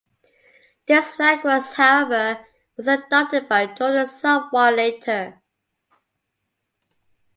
This flag was, however, was adopted by Jordan somewhat later.